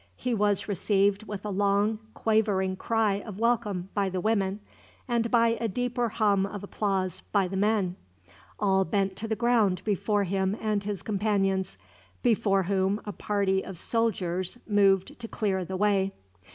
He was received with a long quavering cry of welcome by the women, and by a deeper hum of applause by the men. All bent to the ground before him and his companions, before whom a party of soldiers moved to clear the way.